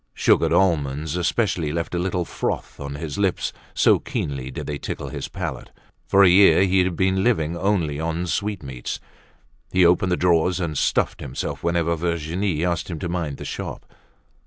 Sugared almonds especially left a little froth on his lips so keenly did they tickle his palate. For a year he had been living only on sweetmeats. He opened the drawers and stuffed himself whenever Virginie asked him to mind the shop.